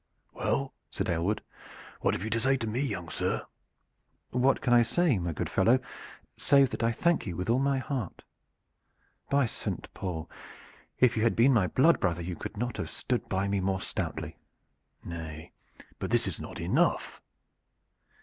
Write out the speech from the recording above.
"Well," said Aylward, "what have you to say to me, young sir?" "What can I say, my good fellow, save that I thank you with all my heart? By Saint Paul! if you had been my blood brother you could not have stood by me more stoutly." "Nay! but this is not enough."